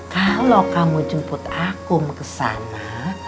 kalau kamu jemput akum ke sana